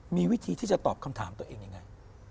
มีวิธีที่จะตอบคำถามตัวเองยังไง